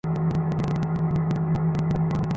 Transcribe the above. তাই চেষ্টাও করে না!